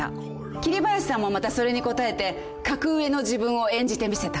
桐林さんもまたそれに応えて格上の自分を演じてみせた。